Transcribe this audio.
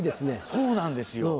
そうなんですよ